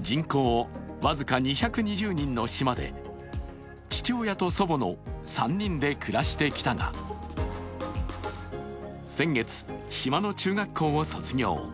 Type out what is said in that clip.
人口僅か２２０人の島で、父親と祖母の３人で暮らしてきたが、先月、島の中学校を卒業。